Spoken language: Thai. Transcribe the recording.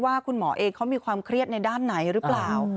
คุณหมอเองเขามีความเครียดในด้านไหนหรือเปล่า